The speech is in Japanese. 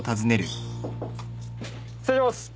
失礼します。